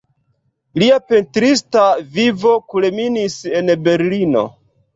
Lia pentrista vivo kulminis en Berlino.